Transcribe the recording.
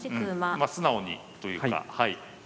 ま素直にというか。